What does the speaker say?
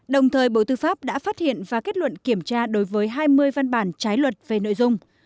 đồng thời bộ tư pháp đã phát hiện và kết luận kiểm tra đối với hai mươi văn bản trái luật về nội dung